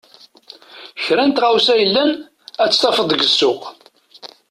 Kra n tɣawsa yellan, ad tt-tafeḍ deg ssuq.